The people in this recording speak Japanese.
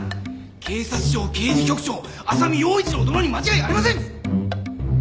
警察庁刑事局長浅見陽一郎殿に間違いありません！